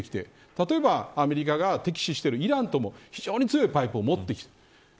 例えばアメリカが敵視しているイランとも非常に強いパイプを持っています。